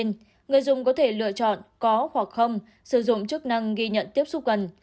trong trường hợp người dùng có thể lựa chọn có hoặc không sử dụng chức năng ghi nhận tiếp xúc gần